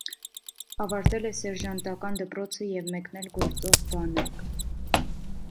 Ավարտել է սերժանտական դպրոցը և մեկնել գործող բանակ։